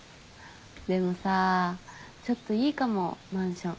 でもさちょっといいかもマンション。